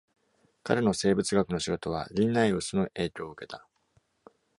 彼の生物学の仕事は Linnaeus の影響を受けた。